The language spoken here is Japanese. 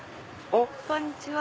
こんにちは。